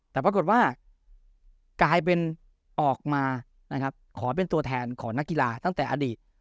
แต่ปรากฏว่ากลายเป็นออกมานะครับขอเป็นตัวแทนของนักกีฬาตั้งแต่อดีต